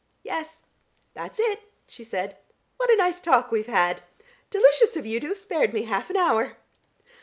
"Yes, that's it," she said. "What a nice talk we've had. Delicious of you to have spared me half an hour."